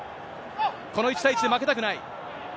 この１対１で負けたくない。